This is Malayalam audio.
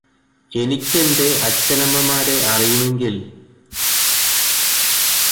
എനിക്കെന്റെ അച്ഛനമ്മമാരെ അറിയുമെങ്കില്